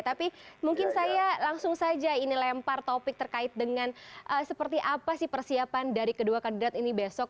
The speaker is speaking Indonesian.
tapi mungkin saya langsung saja ini lempar topik terkait dengan seperti apa sih persiapan dari kedua kandidat ini besok